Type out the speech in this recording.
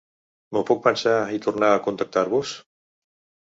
M'ho puc pensar i tornar a contactar-vos?